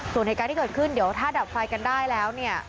ส่วนเหตุการณ์ที่เกิดขึ้นเดี๋ยวถ้าดับไฟกันได้แล้วเนี่ย